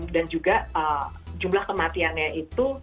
dan juga jumlah kematiannya itu